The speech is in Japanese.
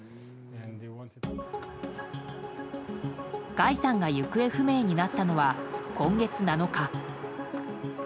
ガイさんが行方不明になったのは、今月７日。